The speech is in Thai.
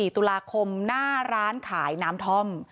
๔ตุลาคมหน้าร้านขายน้ำท่อม